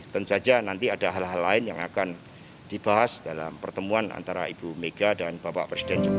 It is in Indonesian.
tentu saja nanti ada hal hal lain yang akan dibahas dalam pertemuan antara ibu mega dan bapak presiden jokowi